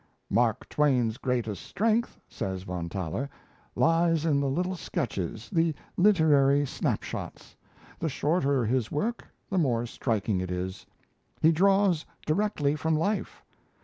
"Mark Twain's greatest strength," says Von Thaler, "lies in the little sketches, the literary snap shots. The shorter his work, the more striking it is. He draws directly from life.